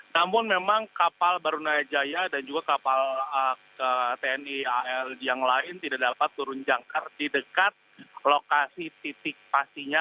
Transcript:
namun memang kapal barunajaya jaya dan juga kapal tni al yang lain tidak dapat turun jangkar di dekat lokasi titik pastinya